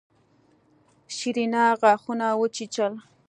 سېرېنا غاښونه وچيچل.